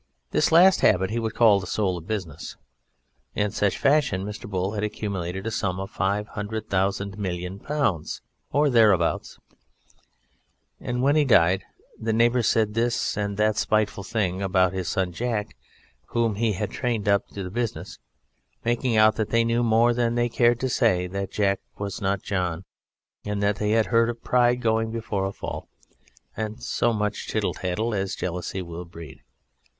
This last habit he would call the soul of business. In such fashion Mr. Bull had accumulated a sum of five hundred thousand million pounds, or thereabouts, and when he died the neighbours said this and that spiteful thing about his son Jack whom he had trained up to the business, making out that they knew more than they cared to say, that Jack was not John, that they had heard of Pride going before a fall, and so much tittle tattle as jealousy will breed.